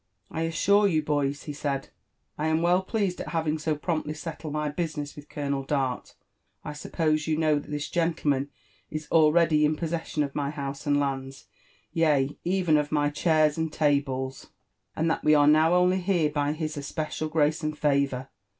"I assure you, boys/' he said, ''I am well pleased at having so promptly settled my business with Colonel Dart. I suppose you know that this gentleman is already in possession of py house and lands ^ yea, even of my chairs and tables, and that we are now only here by his especial grace and favour